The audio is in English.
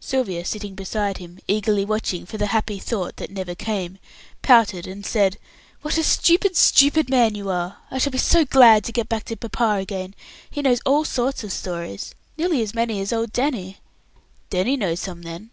Sylvia, sitting beside him, eagerly watching for the happy thought that never came, pouted and said, "What a stupid, stupid man you are! I shall be so glad to get back to papa again. He knows all sorts of stories, nearly as many as old Danny." "Danny knows some, then?"